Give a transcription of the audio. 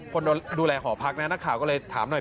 คนดูแลหอพักนะนักข่าวก็เลยถามหน่อย